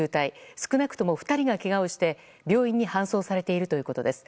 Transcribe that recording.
少なくとも２人がけがをして病院に搬送されているということです。